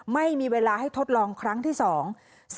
ไม่มีเวลาให้ทดลองครั้งที่สอง